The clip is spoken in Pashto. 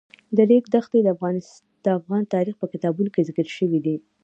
د ریګ دښتې د افغان تاریخ په کتابونو کې ذکر شوی دي.